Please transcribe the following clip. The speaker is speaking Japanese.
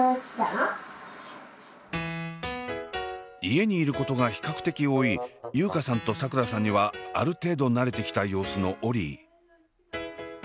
家にいることが比較的多い優佳さんとさくらさんにはある程度慣れてきた様子のオリィ。